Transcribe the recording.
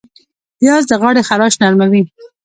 پیاز د غاړې خراش نرموي